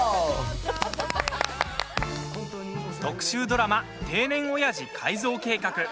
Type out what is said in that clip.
特集ドラマ「定年オヤジ改造計画」。